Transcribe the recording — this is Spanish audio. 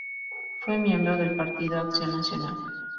Fue miembro del Partido Acción Nacional.